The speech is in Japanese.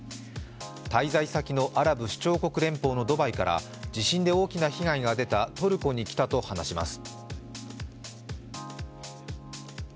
滞在先のアラブ首長国連邦のドバイから地震で大きな被害が出たトルコに来たと話します。